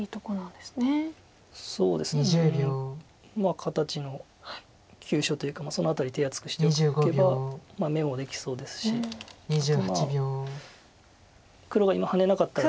形の急所というかその辺り手厚くしておけば眼もできそうですしあと黒が今ハネなかったら。